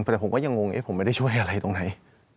แต่ผมก็ยังงงผมไม่ได้ช่วยอะไรตรงไหน